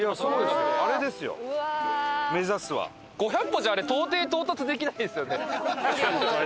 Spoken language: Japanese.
５００歩じゃあれ到底到達できないですよね。